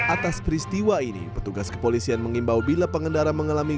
atas peristiwa ini petugas kepolisian mengimbau bila pengendara mengalami